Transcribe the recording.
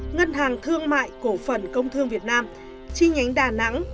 ngân hàng thương mại cổ phần công thương việt nam chi nhánh đà nẵng